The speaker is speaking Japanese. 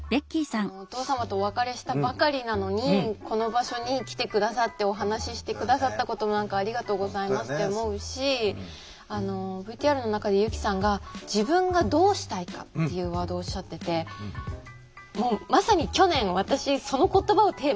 お父様とお別れしたばかりなのにこの場所に来て下さってお話しして下さったこともありがとうございますって思うしＶＴＲの中で由希さんが「自分がどうしたいか」っていうワードをおっしゃっててもうまさに去年私その言葉をテーマに生き始めたんですね。